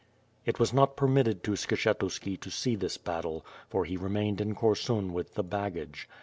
It was not permitted to Skshetuski to see this battle, for he remained in Korsun with the baggage.